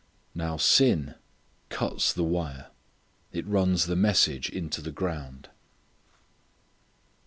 Now sin cuts the wire; it runs the message into the ground.